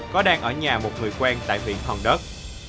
có đang ở nhà một người quen tại huyện hòn đất